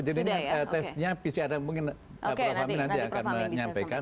jadi tesnya mungkin nanti prof amin akan menyampaikan